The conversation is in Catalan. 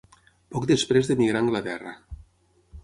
Poc després d'emigrar a Anglaterra.